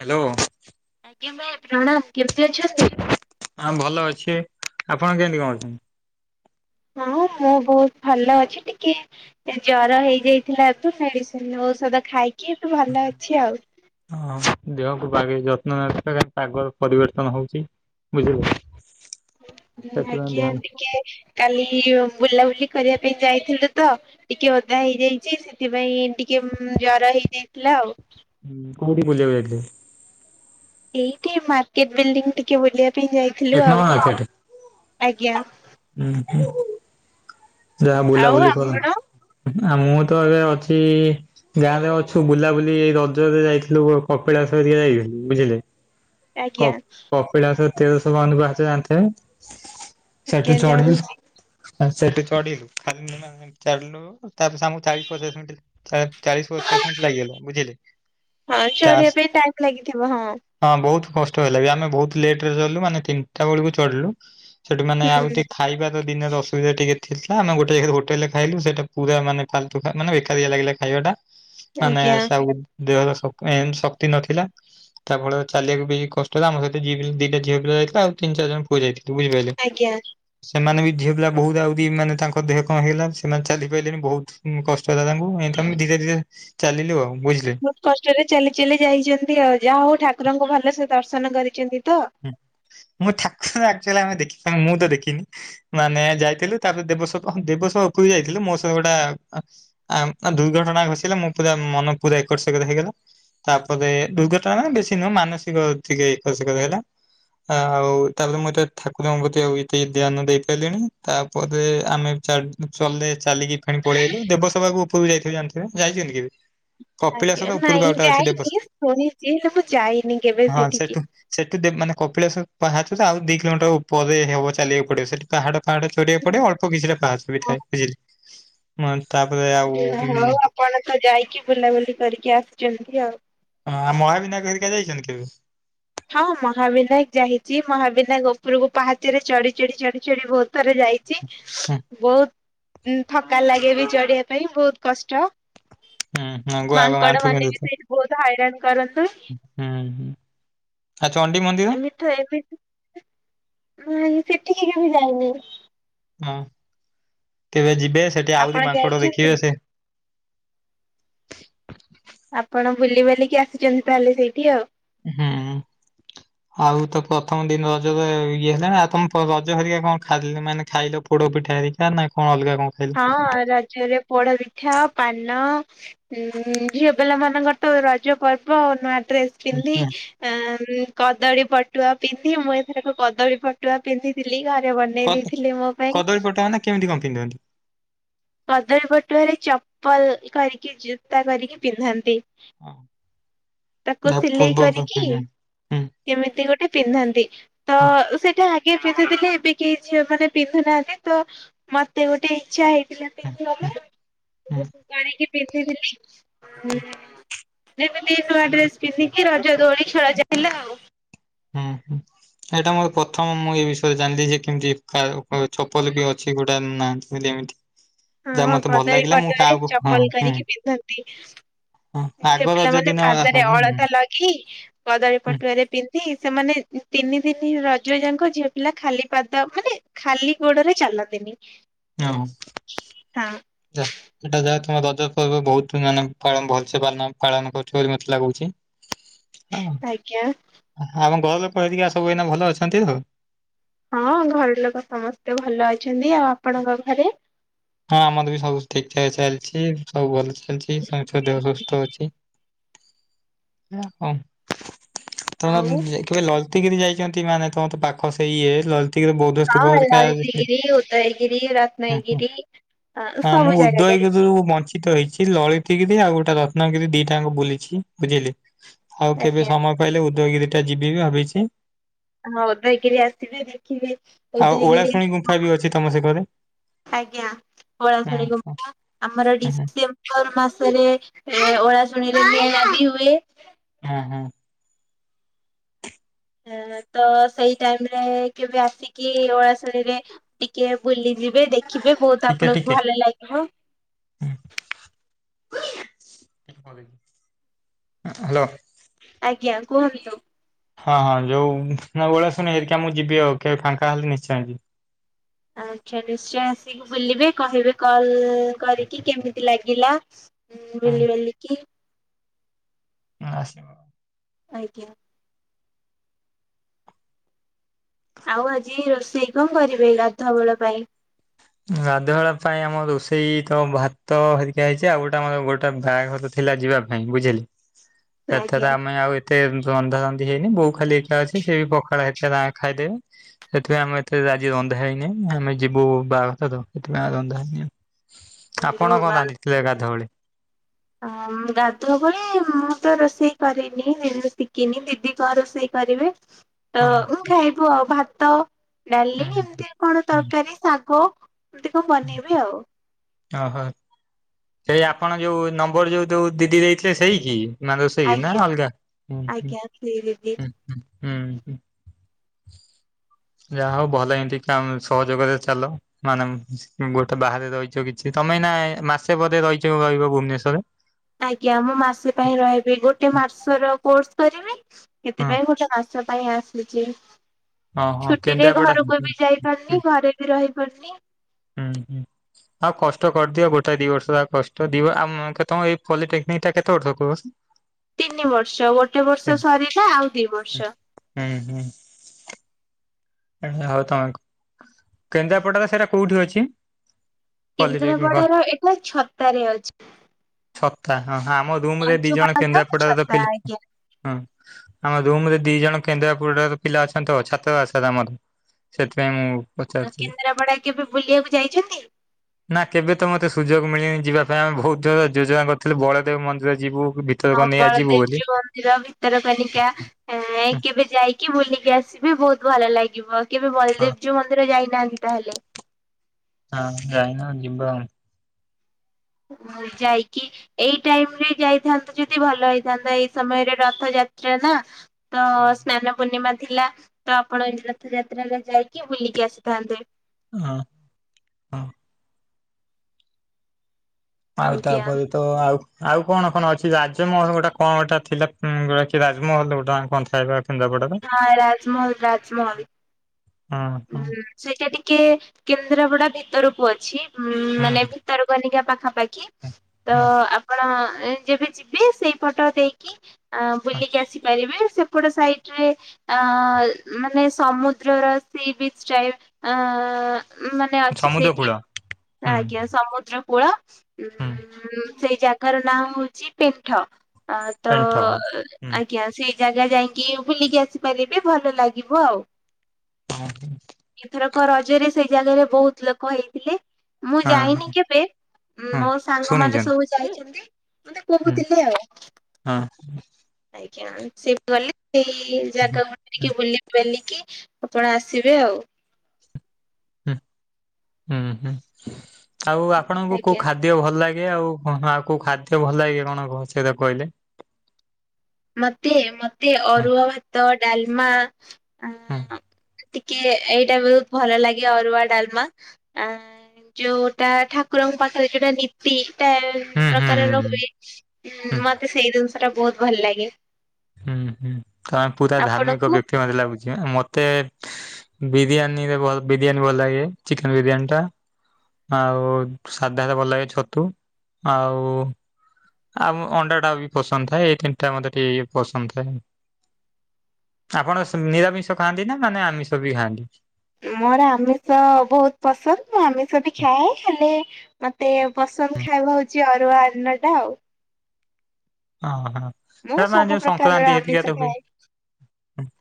Hello. ଆଜ୍ଞା ଭାଇ ପ୍ରଣାମ କେମିତି ଅଛନ୍ତି? ହଁ ଭଲ ଅଛି। ଆପଣ କେମିତି କଣ ଅଛନ୍ତି? ହଁ ମୁଁ ବହୁତ ଭଲ ଅଛି। ଟିକେ ଜର ହେଇଯାଇଥିଲା ଏଠୁ ମେଡିସିନ ଔଷଧ ଖାଇକି ଏଠୁ ଭଲ ଅଛି ଆଉ। ହଁ ଦେହକୁ ବାଗେଇକି ଯତ୍ନ ନେବା ପାଗ ପରିବର୍ତ୍ତନ ହୋଉଛି। ବୁଝିଲେ? ସେଥିପାଇଁ ଆଜ୍ଞା ଧ୍ୟାନ ଟିକେ କାଲି ବୁଲାବୁଲି କରିବା ପାଇଁ ଯାଇଥିଲୁ ତ ଟିକେ ଓଦା ହେଇଯାଇଛି ସେଥିପାଇଁ ଟିକେ ଜର ହେଇଯାଇଥିଲା ଆଉ। ହଁ କୋଉଠିକି ବୁଲିବାକୁ ଯାଇଥିଲେ? ଏଇଠି ମାର୍କେଟ ବିଲ୍ଡିଂ ଟିକେ ବୁଲିବା ପାଇଁ ଯାଇଥିଲୁ ଏକ ଆଉ ନମ୍ବର ମାର୍କେଟ ଆଜ୍ଞା। ଯାହା ଆଉ ବୁଲାବୁଲି କଲ। ଆପଣ ଆ ମୁଁ ତ ଏବେ ଅଛି ଗାଁ ରେ ଅଛୁ ବୁଲାବୁଲି ଏଇ ରଜରେ ଯାଇଥିଲୁ କପିଳାସ ହେରିକା ଯାଇଥିଲୁ ବୁଝିଲେ। କ ଆଜ୍ଞା କପିଳାସ ତେରସହ ବାଉନ ପାହାଚ ଜାଣିଥିବେ। ସେଠୁ ଆଜ୍ଞା ଜାଣିଛି। ଚଢିଲୁ ସେଠୁ ଚଢି ଖାଲି ଆମେ ଚାଲିଲୁ ତାପରେ ତାଙ୍କୁ ଚାଳିଶ ପଚାଶ ମିନିଟ ଚାଳିଶ ପଚାଶ ମିନିଟ୍ ଲାଗିଗଲା ବୁଝିଲେ। ହଁ ତା ଚଢିବା ପାଇଁ ଟାଇମ୍ ଲାଗିଥିବ ହଁ। ହଁ ବହୁତ କଷ୍ଟ ହେଲା ବି। ଆମେ ବହୁତ ଲେଟ୍ ରେ ଚଢ଼ିଲୁ ମାନେ ତିନିଟା ବେଳକୁ ଚଢିଲୁ। ସେଠୁ ମାନେ ଆଉ ହୁଁ ହେଠି ଖାଇବା ତ ଦିନେ ରେ ଅସ ସୁବିଧା ଟିକେ ଥିଲା। ଆମେ ଗୋଟେ ଜାଗା ରେ ହୋଟେଲେ ରେ ଖାଇଲୁ ସେଟା ପୁରା ମାନେ ଫାଲତୁ ଟା ମାନେ ବେକାରିଆ ଲାଗିଲା ଖାଇବା ଟା। ମାନେ ଆଜ୍ଞା ସେ ଆଉ ଦେହରେ ଶ ମେନ୍ ଶକ୍ତି ନଥିଲା। ତା ଫଳରେ ଚାଲିବାକୁ ବେଶି କଷ୍ଟ ହେଲା। ଆମ ସହିତ ଦି ଟା ଝିଅ ପିଲା ଯାଇଥିଲେ ଆଉ ତିନି ଚାରି ଜଣ ପୁଅ ଯାଇଥିଲେ ବୁଝିପାରିଲେ। ଆଜ୍ଞା। ସେମାନେ ବି ଝିଅ ପିଲା ବହୁତ ଆହୁରି ମାନେ ତାଙ୍କ ଦେହ କଣ ହେଇଗଲା ସେମାନେ ଚାଲି ପାଇଲେନି ବହୁତ୍ କଷ୍ଟ ହେଲା ତାଙ୍କୁ। ଏମିତି ଆମେ ଧୀରେ ଧୀରେ ଚାଲିଲୁ ଆଉ, ବୁଝିଲେ। ବହୁତ କଷ୍ଟରେ ଚାଲି ଚାଲି ଯାଇଛନ୍ତି ଆଉ। ଯାହା ହଉ ଠାକୁରଙ୍କୁ ଭଲ ସେ ଦର୍ଶନ କରିଛନ୍ତି ତ। ହୁଁ। ମୁଁ ଠାକୁର ଙ୍କୁ ଆକଚୁଆଲି ଆମେ ଦେଖି ମୁଁ ତ ଦେଖିନି। ମାନେ ଯାଇଥିଲୁ। ତାପରେ ଦେବସ୍ ଦେବସଭା ଉପୁରୁକୁ ଯାଇଥିଲୁ। ମୋ ସହ ଗୋଟା ଆ ଦୁର୍ଘଟଣା ଘସିଲା ମୋ ପୁରା ମନ ପୁରା ଏକର ସେକର ହେଇଗଲା। ତାପରେ ଦୁର୍ଘଟଣା ବେଶୀ ନୁହଁ ମାନସିକ ଟିକେ ଏକର ସେକର ହେଲା। ଆଉ ତାହେଲେ ମୁଁ ଏତେ ଠାକୁରଙ୍କ ପ୍ରତି ଆଉ ଏତେ ଧ୍ୟାନ ଦେଇପାଇଲିନି। ତାପରେ ଆମେ ଚା ଚଲେ ଚାଲିକି ଫେଣି ପଳେଇଲୁ। ଦେବସଭା କୁ ଉପରକୁ ଯାଇଥିବ ଜାଣିଥିବେ। ଯାଇଛନ୍ତି କେବେ? କପିଳାସ ତ ଆଜ୍ଞା। ଉପରକୁ ନାଇଁ ଆଉ ଗୋଟେ ଅଛି ଦେବସଭା ଯାଇନି ଶୁଣିଚି ହେଲେ ମୁଁ ଯାଇନି କେବେ ସେଠିକି। ଦେବ୍ ମାନେ କପିଳାସ ପାହାଚ ରେ ଆଉ ଦି କିଲୋମିଟର ଉପରେ ହେବ ଚାଲିବାକୁ ପଡିବ ସେଠି। ପାହାଡ ପାହାଡ ଚଢିବାକୁ ପଡିବ ଅଳ୍ପ କିଛିଟା ପାହାଚ ବି ଥାଏ ବୁଝିଲେ। ମାନ୍ ତାପରେ ଆଉ ହୁଁ ହଉ ଆପଣ ତ ଯାଇକି ବୁଲାବୁଲି କରିକି ଆସିଚନ୍ତି ଆଉ। ହଁ ଆଉ ମହାବିନାୟକ ହେରିକା ଯାଇଚନ୍ତି କେବେ? ହଁ ମହାବିନାୟକ ଯାଇଚି। ମହାବିନାୟକ ଉପରକୁ ପାହାଚରେ ଚଢି ଚଢି ଚଢି ଚଢି ବହୁତ ଥର ଯାଇ ଚି। ହୁଁ ବହୁତ୍ ଥକା ଲାଗେ ବି ଚଢିବା ପାଇଁ ବହୁତ କଷ୍ଟ। ହୁଁ ହଁ ଗୋଆ ଗ ମାଙ୍କଡ ଆଣ୍ଠୁ ମାନେ ବି ବିନ୍ଧୁଥିବ ସେଇଠି ବହୁତ ହଇରାଣ କରନ୍ତି। ହୁଁ। ଆଉ ଚଣ୍ଡି ମନ୍ଦିର? [unintelligible] ନାଇଁ ସେଠିକି କେଭେ ଯାଇନି। ହଁ, କେବେ ଯିବେ ସେଠି ଆପଣ ଆହୁରି ମାଙ୍କଡ ଯାଇଛନ୍ତି? ଦେଖିବେ ସେ ଆପଣ ବୁଲି ବାଲିକି ଆସିଚନ୍ତି ତାହେଲେ ସେଇଠି ଆଉ। ହୁଁ। ଆଉ ତ ପ୍ରଥମ ଦିନ ରଜ ରେ ଇଏ ନା ତମ ରଜ ହେରିକା କଣ ଖା ମାନେ ଖାଇଲ ପୋଡ ପିଠା ହେରିକା। ତାର ନାଁ କଣ ଅଲଗା କଣ। ଖାଇଲ? ହଁ ରଜରେ ପୋଡାପିଠା ପାନ ଉଁ ଝିଅ ପିଲା ମାନଙ୍କର ତ ରଜ ପର୍ବ ନୂଆ ଡ୍ରେସ ହୁଁ ପିନ୍ଧି ହୁଁ। ଆ କଦଳୀ ପଟୁଆ ପିନ୍ଧି ମୁଁ ଏଥରକ କଦଳୀ ପ ପଟୁଆ ପିନ୍ଧିଥିଲି ଘରେ ବନେଇ ଦେଇଥିଲେ ମୋ ପାଇଁ। କେମତି କଣ ପିନ୍ଧନ୍ତି? କଦଳୀ ପଟୁଆରେ ଚପଲ୍ କରିକି ଜୋତା କରିକି ପିନ୍ଧନ୍ତି। ତାକୁ ତା ସିଲେଇ ପୂର୍ବ ହୁଁ ହୁଁ କରିକି ହୁଁ ହୁଁ କେମିତି ଗୋଟେ ପିନ୍ଧନ୍ତି। ତ ହୁଁ ସେଟା କିଏ ପିନ୍ଧୁଥିଲେ। ଏବେ କେହି ଝିଅ ମାନେ ପିନ୍ଧୁ ନାହାନ୍ତି। ତ ମତେ ଗୋଟେ ଇଚ୍ଛା ହେଇ ପିନ୍ଧିବା ହୁଁ ପାଇଁ। ହୁଁ ମୁଁ କରିକି ପିନ୍ଧିଥିଲି। ଏବେ ଟିକେ ନୂଆ ଡ୍ରେସ୍ ପିନ୍ଧିକି ରଜ ଦୋଳି ଖେଳା ଚାଲିଲା ଆଉ। ଅ ହଁ। ଏଇଟା ମୋର ପ୍ରଥମ ମୁଁ ଏ ବିଷୟରେ ଜାଣିଲି ଯେ କେମିତି ଚପଲ ବି ଅଛି ଗୋଟେ [unintelligible] ଏମିତି। ଯାହା ହଁ ମତେ ଭଲ କଦଳୀ ଲାଗିଲା ମୁଁ ପଟୁଆରେ କାହାକୁ ହଁ ଚପଲ ହୁଁ କରିକି ପିନ୍ଧନ୍ତି। ହଁ ଆଗ ଝିଅ ରଜ ପିଲାମାନେ ଦିନ ହଁ ପାଦରେ ହୁଁ ହୁଁ ଅଳତା ଲଗେଇ କଦଳୀ ପଟୁଆରେ ପିନ୍ଧି ସେମାନେ ତିନି ଦିନି ରଜ ଯାଙ୍କ ଝିଅ ପିଲା ଖାଲି ପାଦ ମାନେ ଖାଲି ଗୋଡରେ ଚାଲନ୍ତିନି। ଆଉ ହଁ। ଯା। ସେଇଟା ଯାହା ତମ ରଜ ପର୍ବ ବହୁତ ମାନେ ପାଳ ଭଲସେ ପାଳନ କରୁଛ ବୋଲି ମତେ ଲାଗୁଛି। ହଁ ଆଜ୍ଞା ଆମ ଘର ଲୋକ ହେରିକା ସବୁ ଏଇନା ଭଲ ଅଛନ୍ତି ଆଉ। ହଁ ଘର ଲୋକ ସମସ୍ତେ ଭଲ ଅଛନ୍ତି ଆଉ ଆପଣଙ୍କ ଘରେ? ହଁ ଆମର ବି ସବୁ ଠିକ ଠାକ ଚାଲିଛି ସବୁ ଭଲ ଚାଲିଛି ସମ ଦେହ ସୁସ୍ଥ ଅଛି। ଅ ହ ତମ ଆଉ ଏ ଲଲତିଗିରି ଯାଇଛନ୍ତି ମାନେ ତମ ତ ପାଖ ସେଇଇଏ ଲଲତିଗିରିରେ ବହୁ ହଁ କଲିତିଗିରି ଉଦୟଗିରି ହୁଁ ହୁଁ ରତ୍ନଗିରି। ଅ ହଁ ସବୁ ମୁଁ ଜାଗା ଯାଇଛି ଉଦୟଗିରି ରୁ ବଞ୍ଚିତ ହେଇଛି ଲଳି ତିିରି ଆଉ ଗୋଟେ ରତ୍ନଗିରି ଦିଟାଙ୍କୁ ବୁଲିଛି ବୁଝିଲି ଆଉ ଆଜ୍ଞା। କେବେ ସମୟ ପାଇଲେ ଉଦୟଗିରିିଟା ଯିବି ବି ଭାବିଛି। ହଁ ଉଦୟଗୁରି ଆସିବେ ଦେଖିବେ ଆଉ ଉଦୟଗିରି ଓଳାଶୁଣୀ ଗୁମ୍ଫା ବି ଅଛି ତମ ସେକରେ। ଆଜ୍ଞା ହୁଁ ଓଳାଶୁଣି ହୁଁ ଗୁମ୍ଫା ଆମର ହୁଁ ଡିସେମ୍ବର ମାସରେ ଓଳା ଶୁଣିରେ ନି ଆଦି ହୁଏ। ହଁ ହଁ ଏଣେତ ସେଇ ଟାଇମ୍ ରେ କେବେ ଆସିକି ଓଳାଶୁଣି ରେ ଟିକେ ବୁଲି ଯିବେ ଦେଖିବେ ବହୁତ୍ ଟିକେ ଆପଣଙ୍କୁ ଟିକେ ଭଲ ଲାଗିବ। [inaudible] ହ୍ୟାଲୋ ଆଜ୍ଞା କୁହନ୍ତୁ। ହଁ ହଁ ଯୋଉ ଓଳାଶୁଣି ହେରିକା ମୁଁ ଯିବି ଆଉ କେବେ ଫାଙ୍କା ହେଲେ ନିଶ୍ଚୟ ଯିବି। ଆଚ୍ଛା ନିଶ୍ଚୟ ଆସିକି ବୁଲିବେ କହିବେ କଲ୍ କରିକି କେମିତି ଲାଗିଲା ବୁଲି ହୁଁ ବାଲିକି [unintelligible] ଆଜ୍ଞା। ଆଉ ଆଜି ରୋଷେଇ କଣ କରିବେ ଗାଧୁଆ ବେଳ ପାଇଁ ଗାଧୁଆବେଳ ପାଇଁ ଆମ ରୋଷେଇ ତ ଭାତ ହେରିକା ହେଇଛି ଆଉ ଗୋଟା ଆମର ଗୋଟା ବାହାଘର ଥିଲା ଯିବା ପାଇଁ ବୁଝିଲେ ଆଜ୍ଞା। ଏଥର ଆମେ ଆଉ ଏ ତେ ରନ୍ଧା ରନ୍ଧି ହେଇନି ବୋଉ ଖାଲି ଏକା ଅଛି ସେ ବି ପଖାଳ ହେଇଥିଲା ତା ଖାଇଦେବେ। ସେଥିପାଇଁ ଆମେ ଏତେ ଆଜି ରନ୍ଧା ହେଇନି ଆମେ ଯିବୁ ବାହାଘର ତ ସେଥିପାଇଁ ରନ୍ଧା ହେଇନି। ଆପଣ ହଲୋ କଣ ବା ରାନ୍ଧିଥିଲେ ଗାଧୁଆବେଳେ? ଆଁ ଗାଧୁଅ ପାଇଁ ମୁଁ ତ ରୋଷେଇ କରେନି ଶିଖିନି ଦିଦି କଣ ରୋଷେଇ କରିବେ ତ ହଁ ମୁଁ ଖାଇବୁ ଆଉ ଭାତ, ଡାଲି ହୁଁ ଏମିତି କଣ ହୁଁ ତରକାରି, ଶାଗ ଏମତି କଁ ହୁଁ ବନେଇବେ ଆଉ ଓହୋ ସେଇ ଆପଣ ଯୋଉ ନମ୍ବର ଯୋଉ ଦିଦି ଦେଇଥିଲେ ସେଇ କି ନା ରୋଷେଇ ନା ଆଜ୍ଞା ଅଲଗା ହୁଁ ହୁଁ ଆଜ୍ଞା ସେଇ ଦିଦି ହୁଁ ହୁଁ ହୁଁ ହୁଁ ଯାହା ହଉ ଭଲ ଏମତି କ ସହଯୋଗରେ ଚାଲ ମାନେ ଗୋଟେ ବାହାରେ ରହିଛ କିଛି ତମେ ନା ମାସେ ପରେ ରହିଛ ରହିବ ଭୁବନେଶ୍ଵରରେ ଆଜ୍ଞା ମୁଁ ମାସ ପାଇଁ ରହିବି ଗୋଟେ ମାସ ର କୋର୍ସ କରିବି ହଁ ସେଥିପାଇଁ ଗୋଟେ ମାସ ସ ପାଇଁ ଆସିଛି ହଁ ହଁ ଛୁଟି ରେ କେନ୍ଦ୍ରାପଡା ହୁଁ ଘରକୁ ବି ହୁଁ ଯାଇପାରୁନି ଘରେ ବି ରହି ପାରୁନି। ହୁଁ ହୁଁ ଆଉ କଷ୍ଟ କରିଦିଅ ଗୋଟେ ଦି ବର୍ଷ ଆଉ କଷ୍ଟ ଦିବ ଆମ୍ ତମ ଏଇ ଫଲିଟେକ୍ନିକ୍ ଟା କେତେ ବର୍ଷ କୋର୍ସ୍? ତିନି ବର୍ଷ ଗୋଟେ ବର୍ଷ ସରିଲା ଆଉ ଦି ବର୍ଷ ହୁଁ ହୁଁ ହଉ ତମକୁ କେନ୍ଦ୍ରାପଡ଼ା ର ସେରା କୋଉଠି ଅଛି? ପଲିଟେକ୍ନିକ କେନ୍ଦ୍ରାପଡ଼ାର ଏକ ଛତାରେ ଅଛି। ଛତା ହଁଁ ଆମ ରୁମ୍ ରେ ଦି ଜଣ ପଞ୍ଚୁପାଣ୍ଡବ କେନ୍ଦ୍ରାପଡ଼ାର ଛତା ପିଲା ଆଜ୍ଞା। ହଁ ଆମ ରୁମ୍ ରେ ଦି ଜଣ କେନ୍ଦ୍ରାପଡ଼ାରୁ ପିଲା ଅଛନ୍ତି ତ ଛାତୁଆ ଦାସ୍ [unintelligible] ସେଥିପାଇଁ ମୁଁ ଆଉ ପଚାରୁଥିଲି। କେନ୍ଦ୍ରାପଡ଼ା କେବେ ବୁଲିବାକୁ ଯାଇଛନ୍ତି? ନା କେବେ ତ ମୋତେ ସୁଯୋଗ ମିଳିନି ଯିବା ପାଇଁ, ଆମେ ବହୁତ୍ ଥର ଯୋଜନ କରିଥିଲୁ ବଳଦେବ୍ ମନ୍ଦିର ଯିବୁ ବୁଲି ହଁ ବଳଦେବ୍ ଜିଉ ମନ୍ଦିର, ଭିତରକନିକା ହଁ କେବେ ଯାଇକି ବୁଲିକି ଆସିବି ବହୁତ୍ ଭଲ ଲାଗିବ। କେବେ ହଁ ବଲଦେବ୍ ଜିଉ ମନ୍ଦିର ଯାଇନାହାନ୍ତି ତାହେଲେ? ହଁ ଯାଇନ ଯିବା ଆଉ। ଯାଇକି ଏଇ ଟାଇମ୍ ରେ ଯାଇଥାନ୍ତ ଯଦି ଭଲ ହେଇଥାନ୍ତା ଏଇ ସମୟରେ ରଥଯାତ୍ରା ନା। ତ ସ୍ନାନ ପୂର୍ଣ୍ଣିମା ଥିଲା ତ ଆପଣ ଏ ରଥ ଯାତ୍ରାରେ ଯାଇକି ବୁଲିକି ଆସିଥାନ୍ତେ। ହଁ। ହଁ ଆଉ ଆଜ୍ଞା ତାପରେ ତ ଆଉ ଆଉ କଣ କଣ ଅଛି ରାଜମହଲ ଗୋଟେ କଣ ଗୋଟା ଥିଲା ଗୋଟା କି ରାଜମହଲ ଗୋଟେେ କଣ ଥାଏ ବା? କେନ୍ଦ୍ରାପଡାରେ ହଁ ରାଜମହଲ ରାଜମହଲ। ହଁ ହଁ। ଉଁ ସେଇଟା ଟିକେ କେନ୍ଦ୍ରାପଡା ଭିତରକୁ ଅଛି ଉ ହୁଁ ମାନେ ହୁଁ ଭିତରକୁ କନିକା ପାଖାପାଖି। ତ ହୁଁ ଆପଣ ଯେବେ ଯିବେ ସେଇ ଫଟ ଦେଇକି ଆ ବୁଲିକି ଆସିପାରିବେ ସେ କଡ ସାଇଟରେ ଅ ମାନେ ସମୁଦ୍ରର ସି ବିଚ୍ ଟାଇପ୍ ଆ ମାନେ ହଁ ଅଛି ସମୁଦ୍ର କୂଳ ସେଇଠି ହୁଁ। ଆଜ୍ଞା ସମୁଦ୍ର କୂଳ। ହୁଁ ସେଇ ଜାଗାର ନାଁ ହଉଛି ପିଣ୍ଠ। ଆ ତ ପେଣ୍ଠ ହୁଁ ଆଜ୍ଞା ସେଇ ଜାଗା ଯାଇକି ବୁଲିକି ଆସିପାରିବେ ଭଲ ଲାଗିବ ଆଉ। ହଁ। ଏଥରକ ରଜରେ ସେଇ ଜାଗାରେ ବହୁତ ଲୋକ ହେଇଥିଲେ ମୁଁ ହଁ ଯାଇନି କେବେ। ହଁ ମୋ ସାଙ୍ଗମାନେ ଶୁଣିଛନ୍ତି ସବୁ ଯାଇଛନ୍ତି ମତେ ହୁଁ କହୁଥିଲେ ଆଉ। ହଁ। ଆଜ୍ଞା ସେ ଗଲେ ସେଇ ହୁଁ। ଜାଗା ଗୁଡ଼ା ହୁଁ ଟିକେ ବୁଲି ବାଲିକି ଆପଣ ଆସିବେ ଆଉ। ହୁଁ, ହୁଁ ହୁଁ ଆଉ ଆପଣଙ୍କୁ କୋଉ ଆଜ୍ଞା। ଖାଦ୍ୟ ଖାଦ୍ୟ ଭଲ ଲାଗେ ଆଉ କୋଉ ଖାଦ୍ୟ ଭଲ ଲାଗେ କଣ କ ସେଟା କହିଲେ। ମତେ ମତେ ହୁଁ ଅରୁଆ ଭାତ, ଡାଲମା ଆ ହୁଁ ଟିକେ ଏଇଟା ବି ବହୁତ ଭଲ ଲାଗେ ଅରୁଆ ଡାଲମା ଆ ଯୋଉଟା ଠାକୁରଙ୍କ ପାଖରେ ଯୋଉଟା ନୀତିଟା ହୁଁ ପ୍ରକାରର ହୁଁ ହୁଏ। ହ ହୁଁ ମତେ ସେଇ ଜିନିଷ ଟା ବହୁତ ଭଲ ଲାଗେ। ହୁଁ ହୁଁ ତମେ ପୁରା ଧାର୍ମିକ ଆପଣଙ୍କୁ? ବ୍ୟକ୍ତି ମାନେ ଲାଗୁଚି, ମତେ ବିରିୟାନୀରେ ଭଲ ବିରିୟାନୀ ଭଲ ଲାଗେ, ଚିକେନ ବିରିୟାନୀ ଟା। ଆଉ ସାଧାରେ ଭଲ ଲାଗେ ଛତୁ, ଆଉ ଆଉ ଅଣ୍ଡା ଟା ବି ପସନ୍ଦ ଥାଏ, ଏଇ ତିନିଟା ମୋତେ ଟିକେ ପସନ୍ଦ ଥାଏ। ଆପଣ ନିରାମିଷ ଖାଆନ୍ତି ନା ମାନେ ଆମିଷ ବି ଖାଆନ୍ତି? ମୋର ଆମିଷ ବହୁତ ପସନ୍ଦ, ମୁଁ ଆମିଷ ବି ଖାଏ ହେଲେ ମତେ ପସନ୍ଦ ଖାଇବା ହଉଚି ଅରୁଆ ଅନ୍ନ ଟା ଆଉ। ହଁ ହଁ। ମୁଁ ସବୁ ପ୍ରକାରର ଆମିଷ ଖାଏ,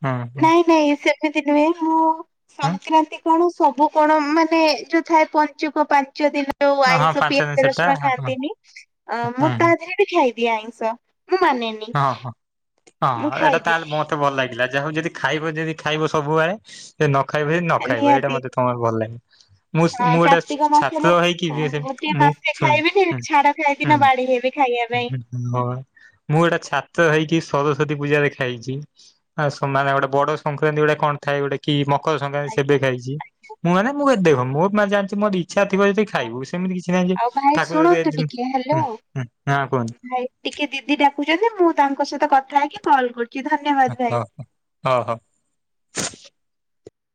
ହଁ ହଁ ନାଇଁ ନାଇଁ ସେ ସେମିତି ନୁହେଁ, ମୁଁ ସଂକ୍ରାନ୍ତି କଣ ସବୁ କଣ ମାନେ ଯୋଉ ଥାଏ ପଞ୍ଚୁକ ପାଞ୍ଚ ଦିନ ଯଉ ହଁ ହଁ ଆଇଷ ପାଞ୍ଚ ଦିନ ପିଆଜ ସେଟା ରସୁଣ ହଁ ହଁ ଖାଆନ୍ତିନି। ଅ ମୁଁ ତା ଦେହରେ ଖାଇଦିଏ ଆଇଁଷ ମୁଁ ମାନେନି। ହଁ ହଁ ମୁଁ ହଁ ଏଇଟା ଖାଇଦିଏ ତାହେଲେ ମତେ ଭଲ ଲାଗିଲା। ଯାହା ହବ ଯଦି ଖାଇବ ଯଦି ଖାଇବ ସବୁଆଳେ। ସେ ନ ଖାଇବ ଯଦି ନ ଖାଇବ ଏଇଟା ନିହାତି ମତେ ତମର ଭଲ ଲାଗଲା। ହଁ କାର୍ତ୍ତିକ ମାସରେ ହଁ ସେମିତି କାର୍ତ୍ତିକ ମୁଁ ମାସରେ ଶୁଣନ୍ତୁ ଖାଇବେନି ହୁଁ ଛାଡ ଖାଇ ଦିନ ବାଡି ହେବେ ଖାଇବା ପାଇଁ। ହ ବା। ମୁଁ ଗୋଟେ ଛାତ୍ର ହେଇକି ସରସ୍ଵତୀ ପୂଜାରେ ଖାଇଚି। ଆ ସମାନେେ ଗୋଟେ ବଡ ସଂକ୍ରାନ୍ତି ଗୋଟେ କଣ ଥାଏ ଗୋଟେ କି ମକର ସଂକ୍ରାନ୍ତି ସେବେ ଆଜ୍ଞା। ଖାଇଚି। ମୁଁ ମାନେ ମୁଁ ଏତ ଦେଖ ମୁଁ ମାନେ ଜାଣିଛି ମୋର ଇଚଛା ଥିବ ଯଦି ଖାଇବୁ। ସେମିତି କିଛି ନାହିଁ ଯେ ଆଉ ଭାଇ ଠାକୁରଁ ଶୁଣନ୍ତୁ ଟିକେ ହ୍ୟାଲୋ ହଁ କୁହନ୍ତ। ଭାଇ ଟିକେ ଦିଦି ଡାକୁଛନ୍ତି ମୁଁ ତାଙ୍କ ସହିତ କଥା ହେଇକି କଲ୍ କରୁଚି। ହଁ ହ ହଁ ହଉ।